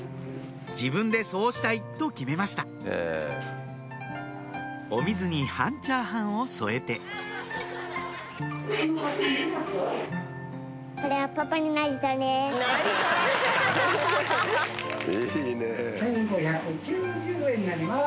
自分でそうしたいと決めましたお水に半チャーハンを添えて１５９０円になります！